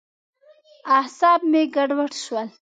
اعصاب مې ګډوډ شول.